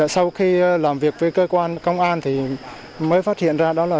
sau khi làm việc với cơ quan công an thì mới phát hiện ra đó là sự sai trái